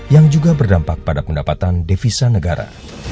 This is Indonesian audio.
yang juga berdampak pada pendapatan devisa negara